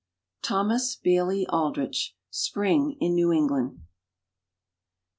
—Thomas Bailey Aldrich, "Spring in New England."